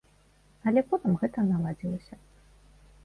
Але потым гэта наладзілася.